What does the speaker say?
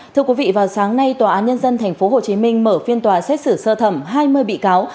thưa quý vị vào sáng nay tòa án nhân dân tp hcm mở phiên tòa xét xử sơ thẩm hai mươi bị cáo